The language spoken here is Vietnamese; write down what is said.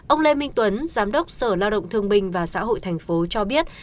ông lê minh tuấn giám đốc sở lao động thương bình và xã hội thành phố cho biết